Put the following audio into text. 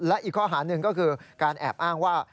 และอีกข้อหาหนึ่งก็คือการแอบอ้างว่า